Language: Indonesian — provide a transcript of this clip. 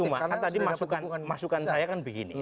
maka tadi masukan saya kan begini